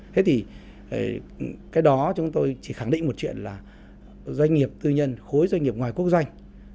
thế thì cái đó chúng tôi chỉ khẳng định một chuyện là doanh nghiệp tư nhân khối doanh nghiệp ngoài quốc doanh